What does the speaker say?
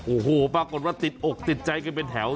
โอ้โหปรากฏว่าติดอกติดใจกันเป็นแถว